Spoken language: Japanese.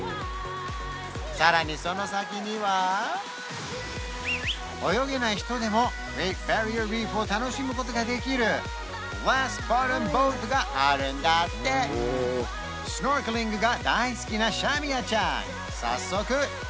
さらにその先には泳げない人でもグレートバリアリーフを楽しむことができるグラスボトムボートがあるんだってシュノーケリングが大好きなシャミアちゃん